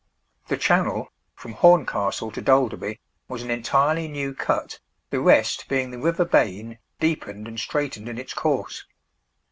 The channel, from Horncastle to Dalderby, was an entirely new cut, the rest being the river Bain deepened and straightened in its course.